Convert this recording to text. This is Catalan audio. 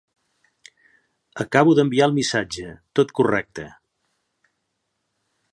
Acabo d'enviar el missatge, tot correcte?